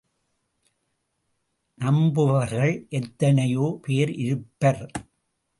நம்புபவர்கள் எத்தனையோ பேர் இருப்பர்.